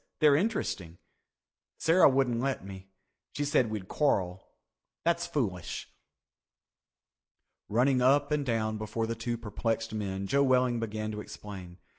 They're interesting. Sarah wouldn't let me. She said we'd quarrel. That's foolish." Running up and down before the two perplexed men, Joe Welling began to explain.